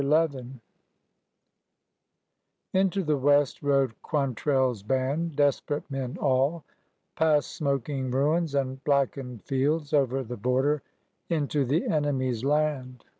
II I NTO the west rode Quantrell's band,— desperate men all, — past smoking ruins and blackened fields, over the border into the enemy's land.